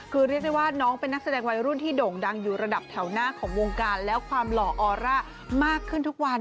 คือเรียกได้ว่าน้องเป็นนักแสดงวัยรุ่นที่โด่งดังอยู่ระดับแถวหน้าของวงการและความหล่อออร่ามากขึ้นทุกวัน